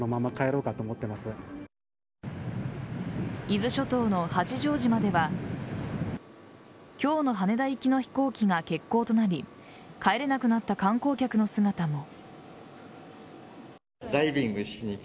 伊豆諸島の八丈島では今日の羽田行きの飛行機が欠航となり帰れなくなった観光客の姿も。